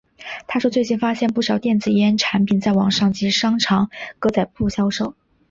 他说最近发现不少电子烟产品在网上及商场格仔铺销售。